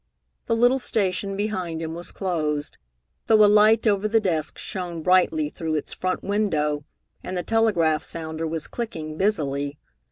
The little station behind him was closed, though a light over the desk shone brightly through its front window and the telegraph sounder was clicking busily.